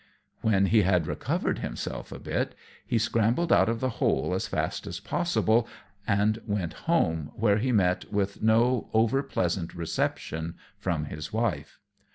When he had recovered himself a bit, he scrambled out of the hole as fast as possible, and went home, where he met with no over pleasant reception from his wife.